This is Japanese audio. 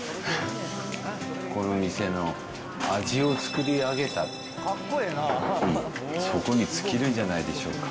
この店の味を作り上げたっていう、そこに尽きるんじゃないでしょ